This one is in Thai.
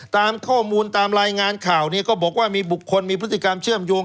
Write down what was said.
ตามข้อมูลตามรายงานข่าวเนี่ยก็บอกว่ามีบุคคลมีพฤติกรรมเชื่อมโยง